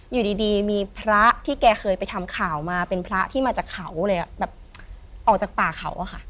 อยู่ดีมีพระที่แกเคยไปทำข่าวมาเป็นพระที่มาจากเขาเลยแบบออกจากป่าเขาอะค่ะ